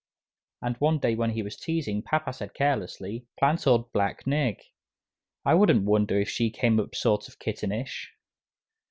Charlie wanted a kitten, and one day when he was teasing papa said carelessly: "Plant old black Nig. I wouldn't wonder if she came up sort of kittenish!"